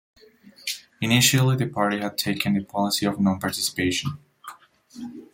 Initially the party had taken the policy of non-participation.